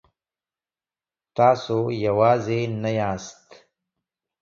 تاسو یوازې نه یاست.